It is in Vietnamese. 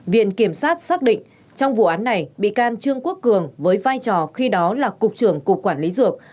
viện kiểm sát xác định trong vụ án này bị can trương quốc cường với vai trò khi đó là cục trưởng cục quản lý dược